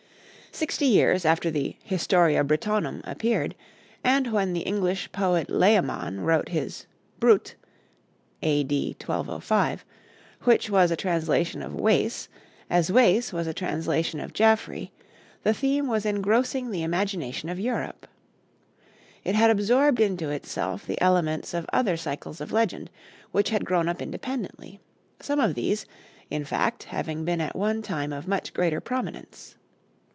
Sixty years after the 'Historia Britonum' appeared, and when the English poet Layamon wrote his 'Brut' (A.D. 1205), which was a translation of Wace, as Wace was a translation of Geoffrey, the theme was engrossing the imagination of Europe. It had absorbed into itself the elements of other cycles of legend, which had grown up independently; some of these, in fact, having been at one time of much greater prominence.